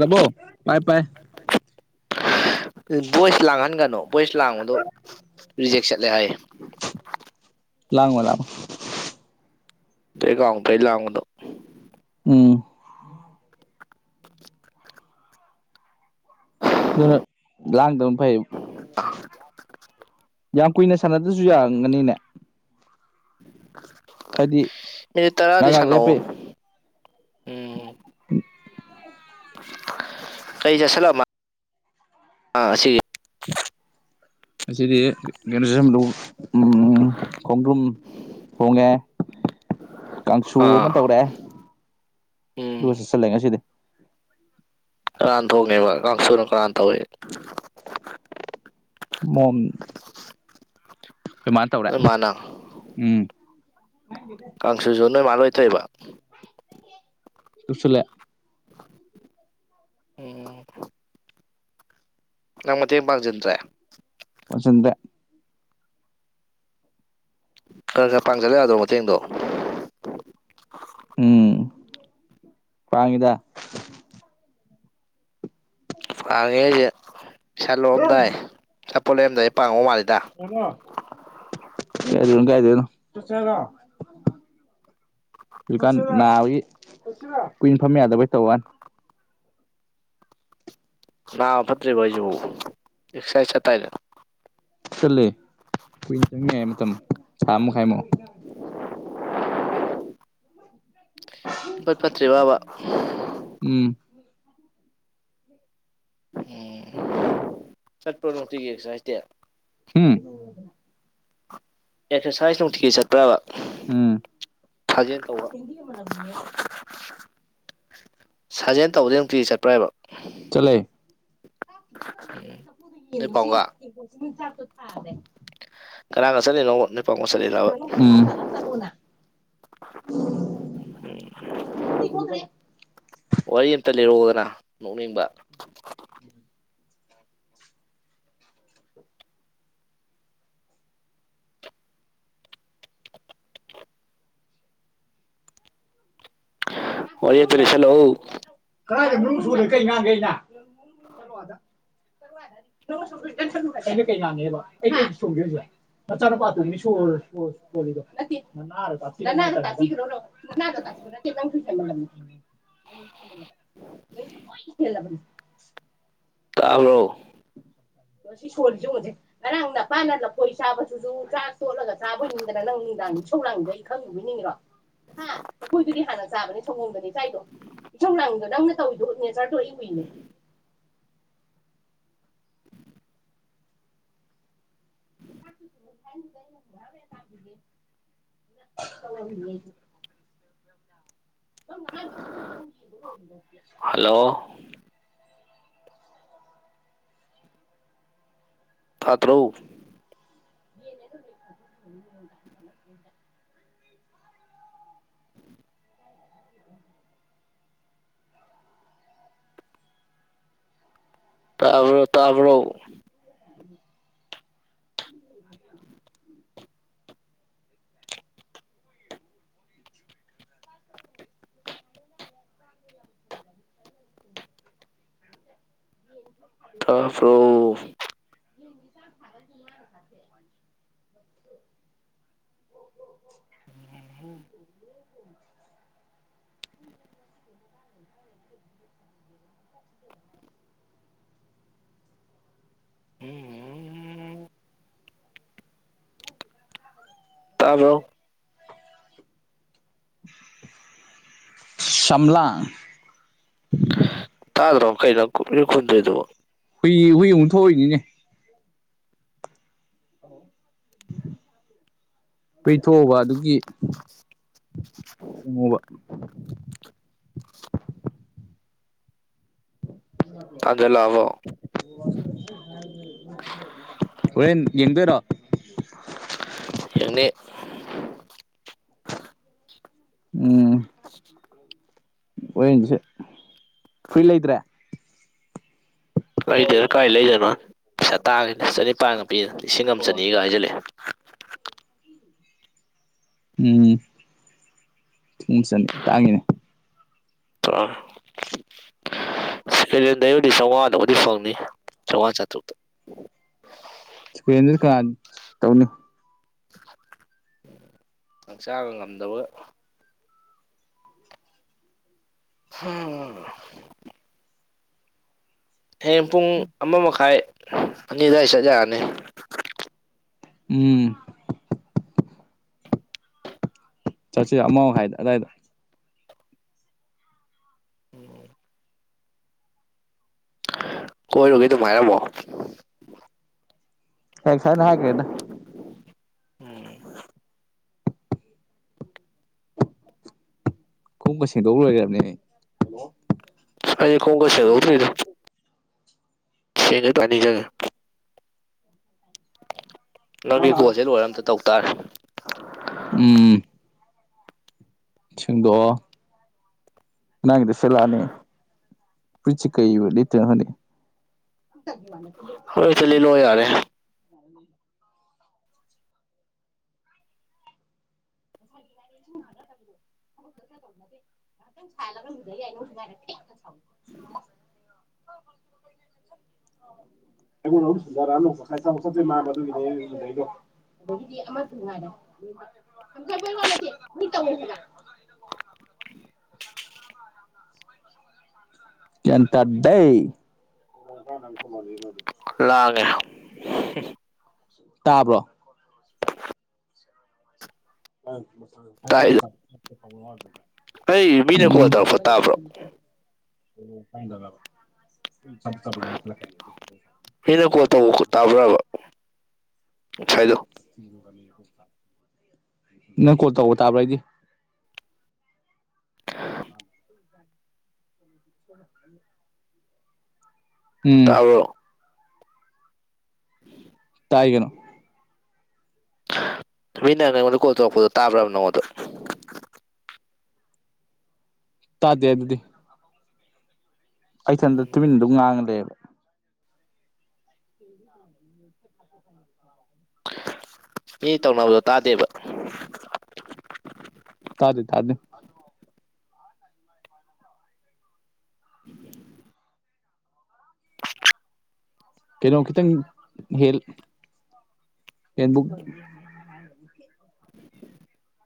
ꯗꯕꯣ ꯄꯥꯏ ꯄꯥꯏ [inaudible] ꯚꯣꯏꯁ ꯂꯥꯡꯍꯟꯒꯅꯨ ꯚꯣꯏꯁ ꯂꯥꯡꯕꯗꯣ ꯔꯤꯖꯦꯛ ꯆꯠꯂꯦ ꯍꯥꯏꯌꯦ ꯂꯑꯣ ꯂꯥꯎꯑꯣ ꯂꯩꯩ ꯀꯥꯎꯗꯩ ꯂꯥꯡꯕꯗꯣ ꯎꯝ ꯑꯗꯨ ꯂꯥꯡꯗ ꯐꯩ ꯌꯥꯝ ꯀꯨꯏꯅ ꯁꯥꯟꯅꯗ꯭ꯔꯁꯨ ꯌꯥꯔꯝꯒꯅꯤꯅꯦ ꯍꯥꯏꯗꯤ ꯉꯥꯏꯍꯥꯛ ꯉꯥꯏꯍꯥꯛ ꯇꯔꯥꯗꯤꯁꯥꯅꯑꯣ ꯂꯦꯞꯄꯩ ꯀꯩꯁꯦ ꯁꯂꯃ ꯑꯥ ꯁꯤꯒꯤ ꯑꯁꯤꯗꯤ ꯒꯅꯁꯟꯗ꯭ꯔ ꯈꯣꯡꯗ꯭ꯔꯨꯝ ꯍꯣꯡꯒꯦ ꯀꯥꯡꯁꯨ ꯑꯃ ꯑꯥ ꯇꯧꯔꯦ ꯎꯝ ꯗꯨꯒ ꯆꯠꯆꯜꯂꯦ ꯉꯁꯤꯗꯤ ꯀꯔꯥꯟ ꯊꯣꯡꯅꯦꯕ ꯀꯥꯡꯁꯨꯅ ꯀꯔꯥꯟ ꯇꯧꯏ ꯃꯣꯟ ꯩꯃꯅ ꯇꯧꯔꯦ ꯅꯣꯏ ꯃꯥꯅ ꯎꯝ ꯀꯥꯡꯁꯨꯁꯨ ꯅꯣꯏ ꯃꯥꯥ ꯂꯣꯏꯊꯣꯏꯕ ꯇꯁꯜꯂꯦ [inaudible] ꯎꯝ ꯅꯪ ꯃ ꯃꯇ ꯌꯦꯡ ꯃꯥꯕꯖꯟ꯭ꯔꯦ ꯄꯁꯟꯗꯦ ꯈꯔ ꯈꯔ ꯄꯥꯡꯖꯜꯂꯛ ꯌꯥꯗ꯭ꯔꯣ ꯃꯇꯦꯡꯗꯣ ꯎꯝ ꯋꯥꯉꯗ ꯄꯥꯡꯉꯦ ꯑꯩꯁꯦ ꯁꯟ ꯂꯣꯛꯑꯝꯗꯥꯏ ꯁꯥꯄꯣꯠ ꯂꯩꯑꯝꯗꯥꯏ ꯄꯥꯡꯉꯧ ꯃꯥꯜꯂꯤꯗ ꯀꯗꯅꯣ ꯀꯥꯏꯗꯅꯣ ꯍꯧꯖꯤꯛꯀꯥꯟ ꯅꯥꯕꯒꯤ ꯀꯨꯏꯅ ꯐꯝꯕ ꯌꯥꯗꯕꯩ ꯇꯧꯕꯩ ꯋꯥꯅꯦ ꯅꯕ ꯐꯠꯇ꯭ꯔꯤꯒꯣꯏꯖ ꯑꯦꯛꯁ ꯁꯥꯏꯁ ꯆꯠꯇꯥꯏꯗ ꯆꯠꯂꯦ ꯀꯨꯏꯅ ꯆꯪꯅꯤ ꯍꯥꯏ ꯃꯇꯝ ꯊꯥ ꯃꯈꯥꯏꯃꯨꯛ [inaudible] ꯏꯐꯠ ꯐꯠꯇ꯭ꯔꯤꯕ ꯕꯥ ꯎꯝ ꯎꯝ ꯆꯠꯄꯃꯨꯛꯇꯤ ꯌꯦꯛꯁ ꯁꯥꯏꯇꯦ ꯎꯝ ꯑꯦꯁꯔꯁꯥꯏ ꯇꯛ ꯊꯀꯦ ꯆꯦ ꯇꯕ ꯎꯝ ꯊꯥꯖꯦꯜ ꯇꯧꯕ ꯁꯥꯖꯦꯜ ꯇꯧꯕꯗꯩ ꯑꯃꯨꯛꯇꯤ ꯆꯠꯄ꯭ꯔ ꯍꯥꯏꯕ ꯆꯠꯂꯦ ꯆꯥꯛ ꯈꯤꯇꯪꯈꯛ ꯂꯩꯗ ꯆꯐꯨꯗ ꯅꯣꯏ ꯌꯦꯡꯉꯨ ꯁꯤ ꯄꯥꯎꯒ ꯇꯦꯡꯀꯣꯠꯁꯤ ꯆꯐꯨꯗ ꯇꯔꯦ ꯀꯅꯥꯥꯡ ꯉꯁ ꯂꯩꯅꯣ [unintelligible] ꯊ ꯆꯒꯣ [inaudible] ꯋꯥꯔꯤ ꯑꯃꯝꯇ ꯂꯩꯔꯛꯑꯣꯗꯅ ꯅꯣꯛꯅꯤꯡꯕ ꯋꯥꯔꯤ ꯑꯝꯇ ꯂꯤꯁꯤꯜꯂꯛꯑꯣ ꯀꯔꯗ ꯃꯨ ꯁꯗꯦ ꯀꯩ ꯉꯥꯡꯒꯦ ꯑꯩꯅ ꯆꯠꯂꯨ ꯑꯗ ꯀꯩ ꯌꯥꯅꯦꯕ ꯑꯩ ꯀ ꯁꯣꯡꯒꯦꯁꯨ ꯌꯥꯏ ꯅꯆꯥꯅꯨꯄꯥ ꯑꯇꯣꯝꯕꯤ ꯁꯣꯔ ꯁꯣ ꯍꯣꯂꯤꯗꯣ ꯅꯅꯥꯗꯣ [unintelligible] ꯅꯅꯥꯗꯣ ꯇꯥꯒꯤꯕ ꯅꯠꯇꯦ ꯅꯪꯁꯨ ꯍꯦꯟꯃꯜꯂꯝꯅꯤ [unintelligible] ꯇꯥꯕ꯭ꯔꯣ ꯁꯤ ꯁꯣꯜꯂꯤꯖꯤ ꯌꯦꯡꯉꯨꯁꯦ ꯉꯔꯥꯡ ꯅꯄꯥꯅ ꯂꯈꯣꯏ ꯆꯥꯕꯗꯨꯁꯨ ꯆ ꯇꯣꯠꯂꯒ ꯆꯥꯕꯣꯏ ꯅꯤꯡꯗꯅ ꯅꯪ ꯅꯨꯡꯗꯥꯡꯅꯤ ꯁꯧ ꯂꯥꯡꯉꯩꯗꯣ ꯑꯩ ꯈꯪ ꯉꯨꯕꯤꯅꯤꯡꯉꯤꯔꯣ ꯍꯥ ꯅꯈꯣꯏꯗꯨꯗꯤ ꯍꯥꯟꯅ ꯆꯥꯕꯅꯤ ꯊꯧꯒꯣꯗꯅꯦ ꯏꯀꯥꯏꯗꯣ ꯏꯊꯧ ꯂꯥꯡꯗꯣ ꯅꯪꯅ ꯗꯣꯅꯤꯖꯔ ꯗꯣꯂꯤꯨꯅꯤ [inaudible] [unintelligible] [inaudible] [unintelligible] ꯍꯜꯂꯣ ꯐꯥꯇ꯭ꯔꯧ [inaudible] ꯇꯥꯕ꯭ꯔꯣ ꯇꯥꯕ꯭ꯔꯣ [inaudible] [inaudible] [unintelligible] ꯇꯥꯄ꯭ꯔꯣ [unintelligible] [unintelligible] [inaudible] ꯍ [inaudible] ꯇꯥꯕ꯭ꯔꯣ ꯁꯝꯂꯥꯡ ꯇꯥꯗ꯭ꯔꯣ ꯀꯩꯅꯪ ꯈꯨꯟ ꯈꯨꯟꯗ꯭ꯔꯤꯗꯨꯕꯣ ꯍꯨꯏ ꯍꯨꯏ ꯑꯃꯨꯛ ꯊꯣꯛꯑꯣꯏꯅꯤꯅꯦ ꯄꯩꯊꯣꯛꯑꯨꯕ ꯑꯗꯨꯒꯤ ꯃꯨꯕ ꯑꯗꯦ ꯂꯥꯛꯑꯕꯣ [unintelligible] ꯍꯣꯔꯦꯟ ꯌꯦꯡꯗꯣꯏꯔꯣ ꯌꯦꯡꯅꯤ ꯎꯝ ꯍꯨꯔꯦꯟꯁꯦ ꯐꯨꯔꯤ ꯂꯩꯇ꯭ꯔꯦ ꯂꯩꯗꯗ ꯀꯥꯏ ꯂꯩꯗꯣꯏꯅꯣ ꯄꯩꯁꯥ ꯇꯥꯡꯉꯦ ꯆꯅꯤꯄꯥꯟꯒ ꯄꯤ ꯂꯤꯁꯤꯡ ꯑꯝꯆꯅꯤꯒ ꯍꯥꯏꯖꯜꯂꯛꯑꯦ ꯎꯝ ꯊꯨꯝ ꯆꯅꯤ ꯇꯥꯡꯉꯤꯅꯦ ꯑꯥ [unintelligible] ꯁꯦꯀꯦꯂꯦꯟꯗꯩꯕꯨꯗꯤ ꯆꯧꯉꯥꯗꯕꯨꯗꯤ ꯐꯪꯅꯤ ꯆꯧꯉꯥ ꯆꯥꯇ꯭ꯔꯨꯛꯇ ꯁꯨꯀꯦꯟꯗ꯭ꯔꯤ ꯀꯅꯥꯟ ꯇꯧꯅꯤ ꯅꯪ ꯆꯥꯕ ꯉꯝꯗꯕꯒ ꯍꯨꯝ ꯍꯌꯦꯡ ꯄꯨꯡ ꯑꯃ ꯃꯈꯥꯏ ꯑꯅꯤ ꯑꯗꯨꯋꯥꯏ ꯆꯠ ꯌꯥꯔꯅꯤ ꯎꯝ ꯆꯠꯆꯤ ꯑꯃꯥꯎ ꯍꯥꯏꯗ ꯑꯗꯥꯏꯗ ꯎꯝ [unintelligible] ꯀꯣꯏꯔꯨꯒꯦ ꯑꯗꯨꯝ ꯍꯥꯏꯔꯝꯃꯣ ꯐ ꯁꯅ ꯍꯥꯏꯒ꯭ꯔꯦꯗ ꯎꯝ [unintelligible] [unintelligible] ꯀꯨꯝꯕ ꯁꯦꯡꯗꯣꯛ ꯂꯣꯏꯈ꯭ꯔꯕꯅꯦ ꯑꯩ ꯑꯩꯗꯤ ꯈꯣꯉꯨꯝ ꯁꯦꯡꯗꯣꯛꯇ꯭ꯔꯤꯗ [unintelligible] ꯅꯤꯖꯒ ꯅꯪꯒꯤ ꯀꯣꯜꯁꯦ ꯂꯣꯏꯔ ꯑꯝꯇ ꯇꯧ ꯇꯥꯔꯦ ꯎꯝ ꯁꯦꯡꯗꯣꯛꯑꯣ ꯅꯪꯒꯤꯗꯣ ꯁꯤꯠꯂꯅꯤ ꯐꯨꯔꯤꯠꯁꯤ ꯀꯩ ꯑꯣꯏꯅ ꯂꯤꯠꯇꯣꯏꯅꯣ ꯈꯪꯗꯦ ꯇꯒꯤ ꯃꯥꯅ [unintelligible] ꯑꯃꯥ ꯍꯦꯛꯇꯥ ꯂꯤꯠꯂꯛ ꯑꯣ ꯌꯥꯔꯦ [unintelligible] [unintelligible] [unintelligible] [unintelligible] [unintelligible] ꯃꯥ ꯑꯗꯨꯒꯤꯅꯤ ꯑꯨꯅꯩꯗꯣ꯫ [unintelligible] ꯑꯗꯒꯤꯗꯤ ꯑꯃꯁꯨ ꯉꯥꯏꯔꯦ ꯀꯡꯈꯠꯄꯩ ꯋꯥ ꯅꯠꯇꯦ ꯃꯤ ꯇꯧꯋꯦ ꯍꯥꯏꯕ ꯒ꯭ꯌꯥꯟ ꯇꯥꯗꯦ꯫ ꯂꯥꯛꯑꯒꯦ ꯇꯥꯕ꯭ꯔꯣ [unintelligible] ꯎꯝ ꯇꯥꯏꯗ ꯑꯩ ꯃꯤꯅ ꯀꯣꯜ ꯇꯧꯔꯛꯄ ꯇꯥꯕ꯭ꯔꯣ ꯑꯣ ꯀꯅꯗꯕꯕ ꯁ ꯆ ꯌꯥ [unintelligible] ꯃꯤꯅ ꯀꯣꯜ ꯇꯧꯕ ꯇꯥꯕ꯭ꯔꯕ ꯉꯁꯥꯏꯗꯣ ꯅꯪ ꯀꯣꯜ ꯇꯧꯕ ꯇꯥꯕ꯭ꯔ ꯍꯥꯏꯗꯤ [unintelligible] [unintelligible] ꯎꯝ ꯇꯥꯕ꯭ꯔꯣ [unintelligible] ꯇꯥꯏ ꯀꯩꯅꯣ [unintelligible] ꯅꯪꯉꯣꯟꯗ ꯀꯣꯜ ꯇꯧꯔꯛꯄꯗꯣ ꯇꯥꯕ꯭ꯔꯕ ꯅꯪꯉꯣꯟꯗ ꯇꯥꯗꯦ ꯑꯗꯨꯗꯤ ꯑꯩ ꯊꯟꯗ ꯇꯨꯃꯤꯟꯗꯨꯝ ꯉꯥꯡꯉ ꯂꯩꯌꯦꯕ [unintelligible] ꯃꯤ ꯇꯧꯅꯕꯗꯣ ꯇꯥꯗꯦꯕ ꯇꯥꯗꯦ ꯇꯥꯗꯦ ꯀꯩꯅꯣ ꯈꯤꯇꯪ ꯍꯦꯜ ꯍꯦꯟꯕꯨꯛ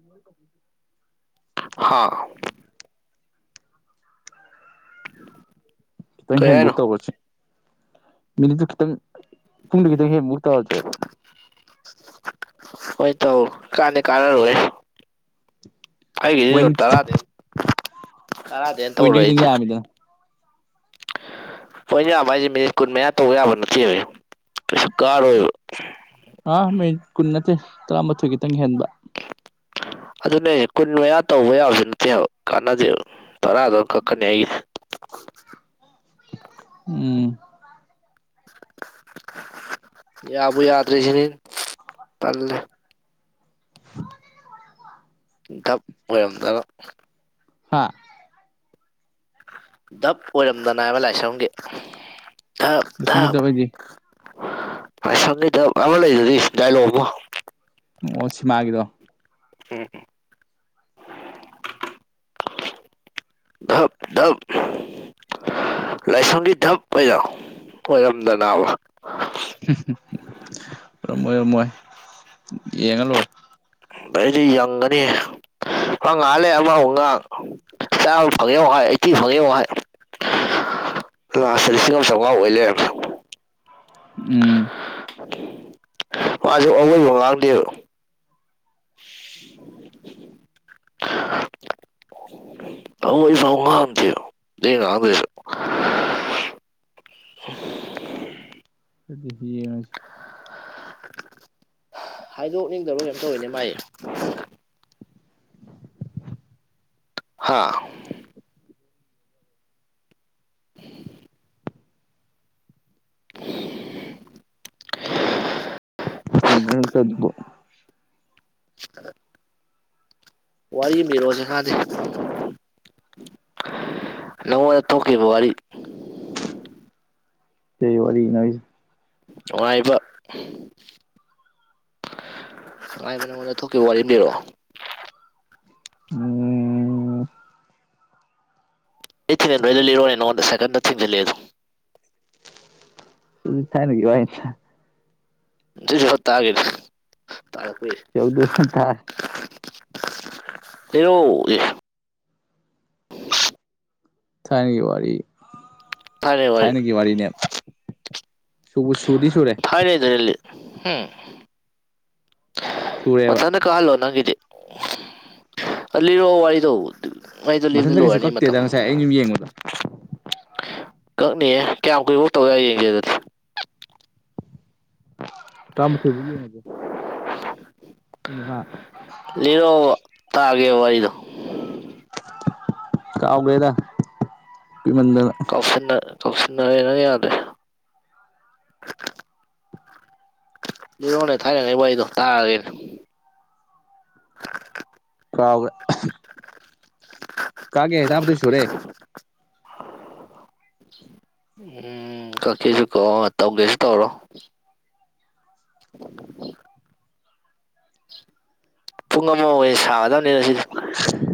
[unintelligible] ꯍꯥꯥ ꯈꯤꯇꯪ ꯀꯩ ꯍꯦꯟꯕꯨꯛ ꯍꯥꯏꯅꯣ ꯇꯧꯔꯁꯦ ꯃꯤꯅꯤꯠꯇꯨ ꯈꯤꯇꯪ ꯄꯨꯡꯗꯨ ꯈꯤꯇꯪ ꯍꯦꯟꯕꯨꯛ ꯇꯧꯔꯁꯦꯕ ꯍꯣꯏ ꯇꯧ ꯀꯥꯟꯗꯤ ꯀꯥꯟꯅ ꯔꯣꯏ ꯑꯩꯒꯤꯗꯤ ꯄꯣꯏꯟ ꯇꯔꯥꯗ ꯇꯔꯥꯗꯩ ꯍꯦꯟꯅ ꯄꯣꯏꯟꯗꯨ ꯇꯧꯔꯣꯏ ꯈꯤꯇꯪ ꯑꯩꯗꯤ ꯌꯥꯝꯃꯤꯗꯅ ꯍꯣꯏꯅꯦ ꯌꯥꯕ ꯍꯥꯏꯖꯦ ꯃꯤꯅꯤꯠ ꯀꯨꯟ ꯃꯌꯥ ꯇꯧꯕ ꯌꯥꯕ ꯅꯠꯇꯦꯃꯦ ꯀꯩꯁꯥ ꯀꯥꯔꯣꯏꯕ ꯑꯥ ꯃꯤꯑꯤꯠ ꯀꯨꯟ ꯅꯠꯇꯦ ꯇꯔꯥꯃꯥꯊꯣꯏ ꯈꯤꯇꯪ ꯍꯦꯟꯕ ꯑꯗꯨꯅꯦ ꯀꯨꯟ ꯃꯌꯥ ꯇꯧꯕ ꯌꯥꯕꯁꯨ ꯅꯠꯇꯦꯕ ꯀꯥꯟꯅꯗꯦꯕ ꯇꯔꯥꯗꯝ ꯀꯛꯀꯅꯤ ꯑꯩꯒꯤ [unintelligible] ꯎꯝ ꯌꯥꯕꯨ ꯌꯥꯗ꯭ꯔꯤꯖꯤꯅꯤꯅꯦ ꯇꯜꯂꯦ ꯗꯞ ꯑꯣꯏꯔꯝꯗꯅ ꯍꯥ ꯗꯞ ꯑꯣꯏꯔꯝꯗꯅꯕ ꯂꯥꯏꯁ꯭ꯔꯝꯒꯤ ꯂꯤꯁꯤꯡꯗ ꯕꯩꯗꯤ ꯂꯥꯏꯁ꯭ꯔꯝ ꯒꯤ ꯗꯞ ꯑꯃ ꯂꯩꯗꯨꯗꯤ ꯗꯥꯏꯂꯣꯛ ꯑꯃ ꯑꯣꯑꯣ ꯁꯤꯃꯒꯤꯗꯣ ꯎꯑꯝ ꯗꯞ ꯗꯞ ꯂꯥꯏꯁꯔꯝꯒꯤ ꯗꯞꯑꯩꯗꯣ ꯑꯣꯏꯔꯝꯗꯅꯕ꯫ ꯉꯝꯃꯣꯏ ꯉꯝꯃꯣꯏ ꯌꯦꯡꯉ ꯂꯣꯏꯔꯦ꯫ ꯑꯩꯗꯤ ꯌꯪꯒꯅꯤꯍꯦ꯫ ꯍ ꯉꯥꯂꯦ ꯑꯃ ꯃꯨ ꯉꯥꯡ ꯆꯥꯃ ꯐꯪꯉꯦ ꯑꯃꯨꯛ ꯍꯥꯏ ꯑꯩꯠꯇꯤ ꯐꯪꯉꯦ ꯑꯃꯨ ꯍꯥꯏ ꯂꯥꯁꯇ ꯂꯤꯁꯤꯡꯑꯝ ꯆꯧꯉꯥ ꯑꯣꯏꯂꯩꯔꯝꯃꯦ꯫ ꯎꯝ [unintelligible] ꯃꯥꯁꯨ ꯑꯉꯣꯏꯕ ꯉꯥꯡꯗꯦꯕ [unintelligible] ꯑꯗꯨꯏ ꯑꯉꯥꯡ ꯗꯨꯁꯨ [unintelligible] ꯑꯗꯨꯗꯤ ꯌꯦꯡꯖꯦ ꯍꯥꯏꯗꯣꯛꯅꯤꯡꯗꯕꯩ ꯀꯅꯣꯝ ꯊꯧꯔꯤꯅꯦ ꯋꯤꯅꯦ ꯃꯥꯥꯏ ꯍꯥꯥ ꯇꯤꯟ [unintelligible] [unintelligible] ꯋꯥꯔꯤ ꯑꯃ ꯂꯤꯔꯣꯑꯣꯁꯦ ꯀꯥꯟꯗꯦ ꯅꯪꯉꯣꯟꯗ ꯊꯣꯛꯈꯤꯕ ꯋꯥꯔꯤ ꯇꯦ ꯋꯥꯔꯤꯅꯣ ꯍꯥꯏꯖꯦ꯫ ꯑꯋꯥꯏꯕ ꯉꯥꯏꯕ ꯅꯉꯣꯟꯗ ꯊꯣꯛꯈꯤꯕ ꯋꯥꯔꯤ ꯂꯤꯔꯛꯑꯣ ꯎꯝ꯫ ꯑꯩ ꯊꯤꯅꯦꯟ ꯂꯣꯏꯗ ꯂꯤꯔꯣꯅꯦ ꯅꯉꯣꯟꯗ ꯁꯦꯗꯟ ꯁꯤꯗꯤ ꯂꯩꯞ ꯊꯥꯏꯅ ꯋꯥꯏꯊ [unintelligible] ꯇꯔꯛꯄ ꯌꯥꯏ꯫ ꯌꯥꯎꯗꯨ [unintelligible] ꯂꯤꯔꯣ [unintelligible] ꯊꯥꯏꯅꯒꯤ ꯋꯥꯔꯤ ꯊꯥꯏꯅꯩ [unintelligible] ꯋꯥꯔꯤ ꯊꯥꯏꯅꯒꯤ ꯋꯥꯔꯤꯅꯦ꯫ ꯁꯨꯕꯨ ꯁꯨꯗꯤ ꯁꯨꯔꯦ ꯊꯥꯏꯅꯗꯩ ꯑꯦꯂꯤ ꯍꯝ ꯁꯨꯔꯦꯕ ꯃꯊꯟꯗ ꯀꯥꯑꯜꯂꯣ ꯅꯪꯒꯤꯗꯤ ꯑꯂꯤꯔꯛꯑꯣ꯫ ꯑꯩꯗꯣ ꯂꯦꯗ ꯃꯊꯟꯇ ꯀꯩꯁꯨ ꯂꯣꯏꯔꯅꯤ ꯃꯇꯝ ꯀꯛꯇꯦꯗ ꯉꯁꯥꯏ ꯑꯩꯅ ꯁꯨꯝ ꯌꯦꯡꯕꯗ ꯀꯛꯅꯤꯌꯦ ꯀꯌꯥꯝ ꯀꯨꯏꯕꯥꯎ ꯇꯧꯌꯥ ꯌꯦꯡꯒꯦꯗ ꯇꯥꯃꯊꯣꯏꯕꯧ ꯌꯦꯡꯉꯖꯦ꯫ ꯥꯑꯃꯨꯈ ꯂꯤꯔꯛ ꯑꯣꯕ ꯇꯥꯒꯦ ꯋꯥꯔꯤꯗꯣ [unintelligible] ꯀꯥꯎꯒꯔꯦꯗ [unintelligible] ꯀꯨꯏꯃꯟꯗꯅ꯫ ꯇꯧꯁꯟꯅ ꯇꯧꯁꯤꯟꯅꯔꯦ ꯅꯪ ꯌꯥꯗꯦ꯫ ꯂꯤꯔꯛ ꯑꯣꯅꯦ ꯊꯥꯏꯅꯉꯩ ꯋꯥꯔꯤꯗꯣ ꯀꯥꯎꯒꯦ ꯀꯥꯒꯦ ꯇꯥꯔꯃꯥꯊꯣꯏ ꯁꯨꯔꯦ꯫ ꯎꯝ ꯀꯛꯀꯦꯖꯨ ꯀꯛꯑꯣ ꯇꯧꯒꯦꯖꯨ ꯇꯧꯔꯛꯑꯣ꯫ [unintelligible] ꯄꯨꯡ ꯑꯃ ꯑꯣꯏꯅ ꯁꯥꯒꯗꯕꯅꯤꯅ ꯁꯤꯗꯤ꯫ [unintelligible]